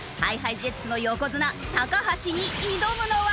ＨｉＨｉＪｅｔｓの横綱橋に挑むのは。